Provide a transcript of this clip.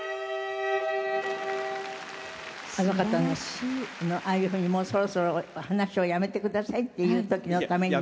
あの方ねああいうふうにもうそろそろ話をやめてくださいっていう時のためにね。